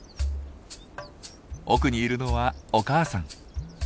奥にいるのはお母さん。